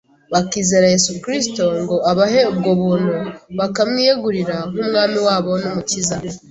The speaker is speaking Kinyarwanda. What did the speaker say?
bakizera Yesu Kristo ngo abahe ubwo buntu, bakamwiyegurira nk’Umwami wabo n’Umukiza.